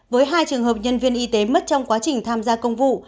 với hai trường hợp nhân viên y tế mất trong quá trình tham gia công vụ